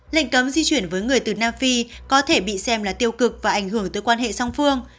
lệnh cấm di chuyển với người từ nam phi có thể bị xem là tiêu cực và ảnh hưởng tới quan hệ song phương